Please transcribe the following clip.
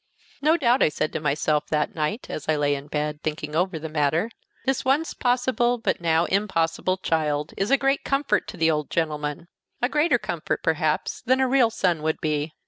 "No doubt," I said to myself that night, as I lay in bed, thinking over the matter, "this once possible but now impossible child is a great comfort to the old gentleman, a greater comfort, perhaps, than a real son would be.